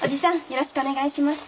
よろしくお願いします。